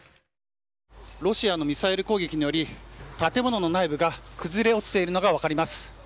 ロシアのミサイル攻撃により建物の内部が崩れ落ちているのが分かります。